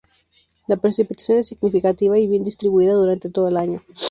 La precipitación es significativa y bien distribuida durante todo el año.